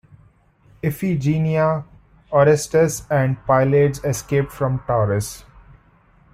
Iphigeneia, Orestes, and Pylades escaped from Tauris.